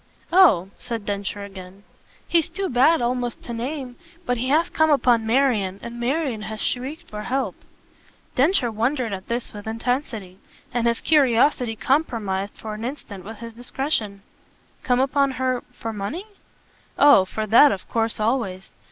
"Oh!" said Densher again. "He's too bad almost to name, but he has come upon Marian, and Marian has shrieked for help." Densher wondered at this with intensity; and his curiosity compromised for an instant with his discretion. "Come upon her for money?" "Oh for that of course always.